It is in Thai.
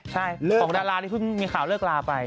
ใช่ของดาราที่พึ่งมีข่าวเลิกลาไป